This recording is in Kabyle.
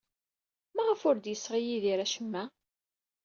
Maɣef ur d-yesɣi Yidir acemma?